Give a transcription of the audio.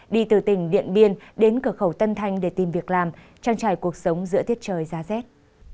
đi từ tỉnh điện biên đến cửa khẩu tân thanh để tìm việc làm trang trải cuộc sống giữa thiết trời giá rét